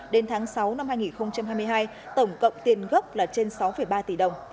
đến tháng sáu năm hai nghìn hai mươi hai tổng cộng tiền gấp là trên sáu ba tỷ đồng